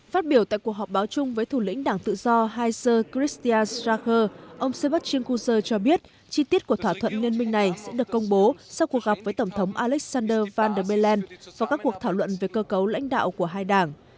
phát biểu tại cuộc họp báo chung với thủ lĩnh đảng tự do heiser christian streicher ông sebastian guder cho biết chi tiết của thỏa thuận liên minh này sẽ được công bố sau cuộc gặp với tổng thống alexander van der bellen vào các cuộc thảo luận về cơ cấu lãnh đạo của hai đảng